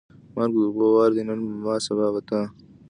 مرګ د اوبو وار دی نن په ما ، سبا په تا.